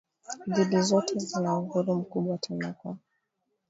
dini zote zina uhuru mkubwa tena kwa